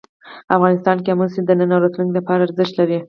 افغانستان کې آمو سیند د نن او راتلونکي لپاره ارزښت لري.